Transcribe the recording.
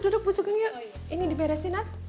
duduk bu sugeng yuk ini diberesin nat